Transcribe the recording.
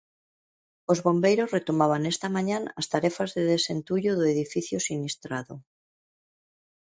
Os bombeiros retomaban esta mañá as tarefas de desentullo do edificio sinistrado.